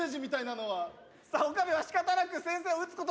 さあ岡部は仕方なく先生を撃つことに。